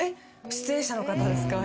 出演者の方ですか？